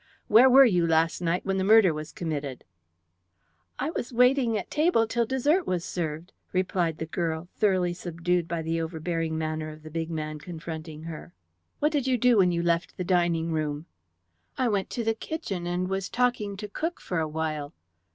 Where were you last night when the murder was committed?" "I was waiting at table till dessert was served," replied the girl, thoroughly subdued by the overbearing manner of the big man confronting her. "What did you do when you left the dining room?" "I went to the kitchen and was talking to cook for a while."